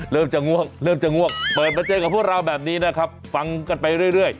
เริ่มจะง่วงเริ่มจะง่วงเปิดมาเจอกับพวกเราแบบนี้นะครับฟังกันไปเรื่อย